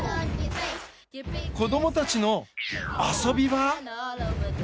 子供たちの遊び場？